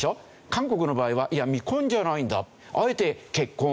韓国の場合は「いや未婚じゃないんだ」。